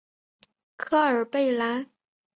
科尔贝兰。